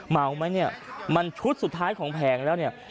เมาไหมเนี่ยมันชุดสุดท้ายของแผงแล้วเนี่ย